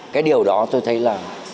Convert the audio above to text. cái điều đó tôi thấy là